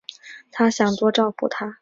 她想多照顾她